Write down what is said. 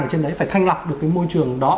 ở trên đấy phải thanh lọc được cái môi trường đó